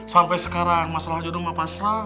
sampai sekarang masalah gedung sama pasrah